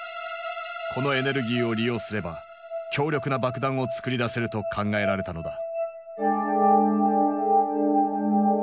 このエネルギーを利用すれば強力な爆弾をつくり出せると考えられたのだ。